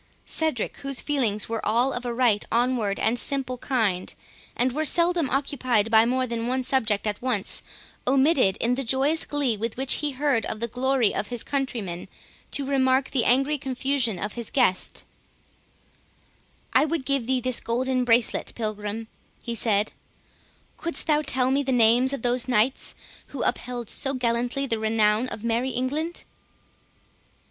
Cedric, whose feelings were all of a right onward and simple kind, and were seldom occupied by more than one object at once, omitted, in the joyous glee with which he heard of the glory of his countrymen, to remark the angry confusion of his guest; "I would give thee this golden bracelet, Pilgrim," he said, "couldst thou tell me the names of those knights who upheld so gallantly the renown of merry England."